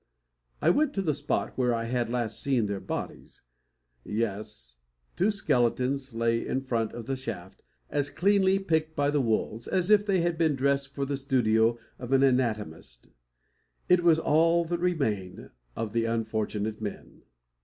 I went to the spot where I had last seen their bodies. Yes; two skeletons lay in front of the shaft, as cleanly picked by the wolves as if they had been dressed for the studio of an anatomist. It was all that remained of the unfortunate men.